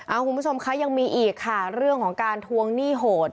คุณผู้ชมคะยังมีอีกค่ะเรื่องของการทวงหนี้โหด